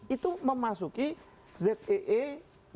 itu memasuki zee natuna utara